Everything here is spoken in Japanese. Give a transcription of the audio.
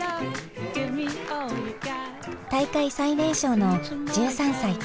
大会最年少の１３歳。